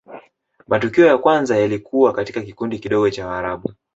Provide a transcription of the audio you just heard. matukio ya kwanza yalikuwa katika kikundi kidogo cha warabu